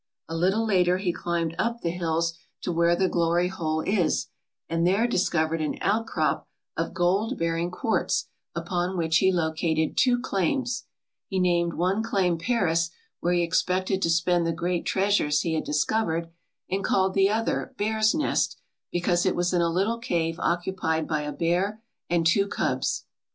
A little later he climbed up the hills to where the Glory Hole is and there discovered an outcrop of gold Si ALASKA OUR NORTHERN WONDERLAND bearing quartz upon which he located two claims. He named one claim Paris where he expected to spend the great treasures he had discovered, and called the other Bear's Nest, because it was in a little cave occupied by a bear and two cubs.